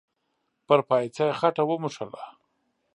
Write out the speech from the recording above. پر پايڅه يې خټه و موښله.